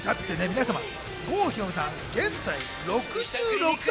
郷ひろみさん、現在６６歳。